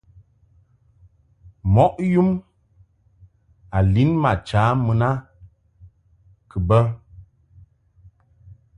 Mɔʼ yum a lin ma cha mun a kɨ bɛ.